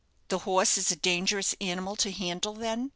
"The horse is a dangerous animal to handle, then?"